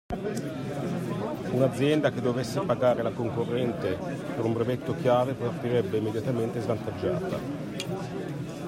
Un'azienda che dovesse pagare la concorrente per un brevetto chiave partirebbe immediatamente svantaggiata.